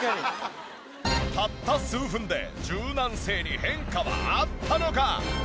たった数分で柔軟性に変化はあったのか？